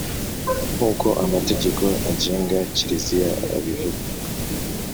nk uko Amategeko agenga Kiliziya abivuga